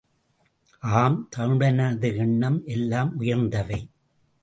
ஆம், தமிழனது எண்ணம் எல்லாம் உயர்ந்தவை.